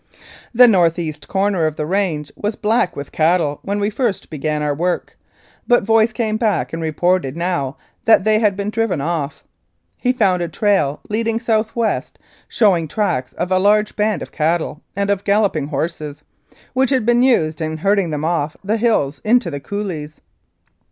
The north east corner of the range was black with cattle when we first began our work, but Voice came back and reported now that they had been driven off. He found a trail leading south west (show ing tracks of a large band of cattle and of galloping horses), which had been used in herding them off the hills into the coulees.